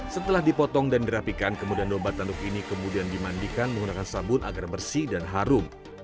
setelah dipotong dan dirapikan kemudian domba tanduk ini kemudian dimandikan menggunakan sabun agar bersih dan harum